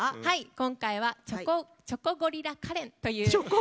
今回はチョコゴリラカレンという。